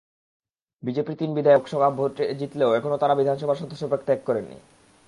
বিজেপির তিন বিধায়ক লোকসভা ভোটে জিতলেও এখনো তাঁরা বিধানসভার সদস্যপদ ত্যাগ করেননি।